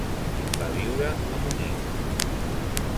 Va viure a Munic.